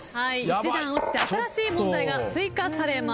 １段落ちて新しい問題が追加されます。